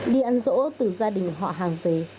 đi ăn rỗ từ gia đình họ hàng về